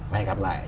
và hẹn gặp lại